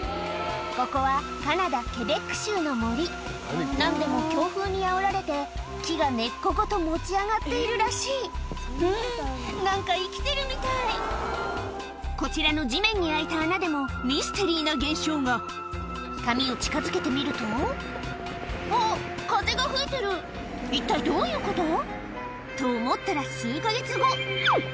ここはカナダケベック州の森何でも強風にあおられて木が根っこごと持ち上がっているらしいうん何か生きてるみたいこちらの地面に開いた穴でもミステリーな現象が紙を近づけてみるとあっ風が吹いてる一体どういうこと？と思ったらあれ？